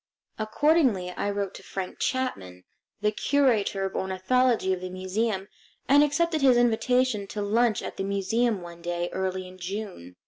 Accordingly, I wrote to Frank Chapman, the curator of ornithology of the museum, and accepted his invitation to lunch at the museum one day early in June.